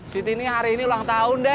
siti ini hari ini orang tahun debt